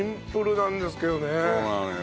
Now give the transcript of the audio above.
そうなのよ。